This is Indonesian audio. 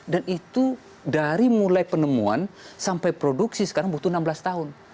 dan itu dari mulai penemuan sampai produksi sekarang butuh enam belas tahun